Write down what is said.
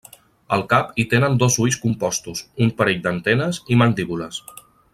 Al cap, hi tenen dos ulls compostos, un parell d'antenes i mandíbules.